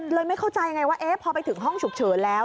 ไม่เข้าใจไงว่าพอไปถึงห้องฉุกเฉินแล้ว